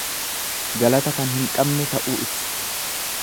Galata kan hin qabne ta'uu ibsa.